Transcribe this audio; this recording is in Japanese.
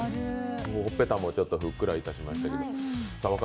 ほっぺたもちょっとぷっくらいたしましたけど。